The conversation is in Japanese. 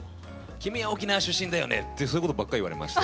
君は沖縄出身だよね」ってそういうことばっか言われまして。